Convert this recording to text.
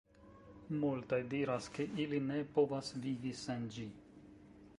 Multaj diras, ke ili ne povas vivi sen ĝi.